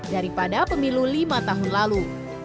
daripada pemilu lima tahun lalu